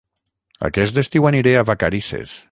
Aquest estiu aniré a Vacarisses